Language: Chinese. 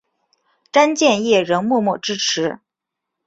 詹建业仍默默支持。